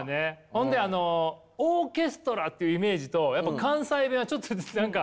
ほんでオーケストラっていうイメージとやっぱ関西弁はちょっと何か。